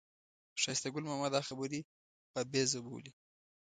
ښایسته ګل ماما دا خبرې بابیزه بولي.